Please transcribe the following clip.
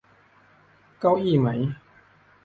เก้าอี้มั๊ย